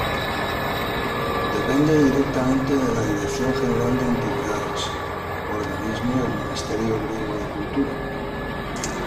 Depende directamente de la Dirección General de Antigüedades, organismo del ministerio griego de Cultura.